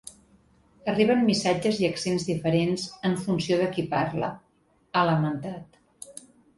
“Arriben missatges i accents diferents en funció de qui parla”, ha lamentat.